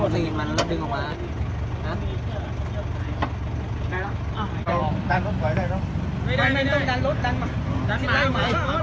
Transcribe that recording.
สวัสดีครับ